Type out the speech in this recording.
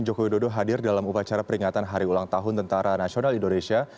joko widodo hadir dalam upacara peringatan hari ulang tahun tentara nasional indonesia